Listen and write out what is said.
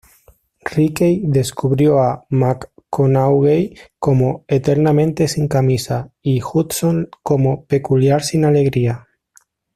Rickey describió a McConaughey como "eternamente sin camisa" y Hudson como "peculiar sin alegría".